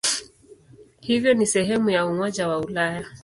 Hivyo ni sehemu ya Umoja wa Ulaya.